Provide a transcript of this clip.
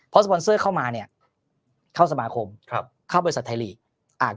พอสปอนเซอร์เข้ามาเนี่ยเข้าสมาคมครับเข้าบริษัทไทยลีกอาจ